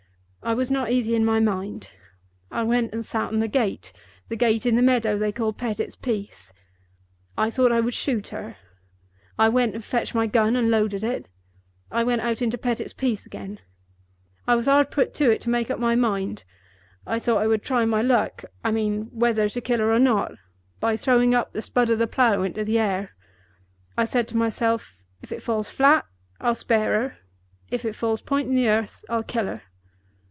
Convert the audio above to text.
I was not easy in my mind. I went and sat on the gate—the gate in the meadow they call Pettit's Piece. I thought I would shoot her. I went and fetched my gun and loaded it. I went out into Pettit's Piece again. I was hard put to it to make up my mind. I thought I would try my luck—I mean try whether to kill her or not— by throwing up the Spud of the plow into the air. I said to myself, if it falls flat, I'll spare her; if it falls point in the earth, I'll kill her.